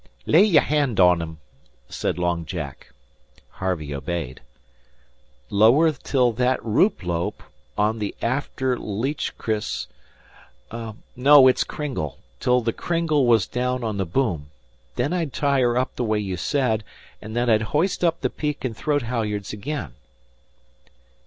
"Lay your hand on thim," said Long Jack. Harvey obeyed. "Lower till that rope loop on the after leach kris no, it's cringle till the cringle was down on the boom. Then I'd tie her up the way you said, and then I'd hoist up the peak and throat halyards again."